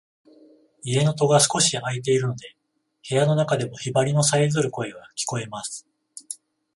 家の戸が少し開いているので、部屋の中でもヒバリのさえずる声が聞こえます。